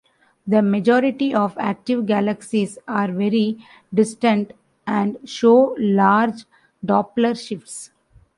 The majority of active galaxies are very distant and show large Doppler shifts.